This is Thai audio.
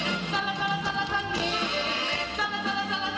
ก็คือเมื่อวานนี้เดินทางมาถึงคืนที่สองแล้วนะ